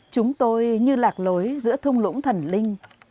chúng tôi như lạc lối giữa thung lũng thần linh